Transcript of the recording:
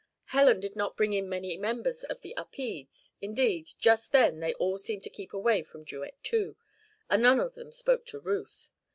Helen did not bring in many members of the Upedes; indeed, just then they all seemed to keep away from Duet Two, and none of them spoke to Ruth.